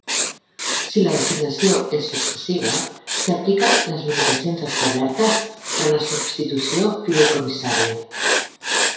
Si la designació és successiva, s'hi apliquen les limitacions establertes per a la substitució fideïcomissària.